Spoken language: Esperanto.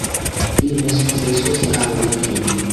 Vi ne sukcesos aŭdi ĝin.